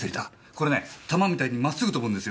これね弾みたいにまっすぐ飛ぶんですよ。